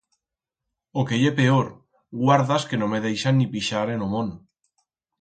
O que ye peor, guardas que no me deixan ni pixar en o mont.